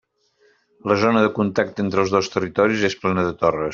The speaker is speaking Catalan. La zona de contacte entre els dos territoris és plena de torres.